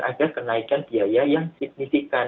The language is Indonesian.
ada kenaikan biaya yang signifikan